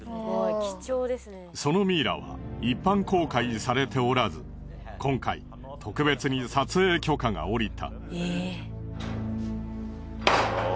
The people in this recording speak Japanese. そのミイラは一般公開されておらず今回特別に撮影許可が下りた。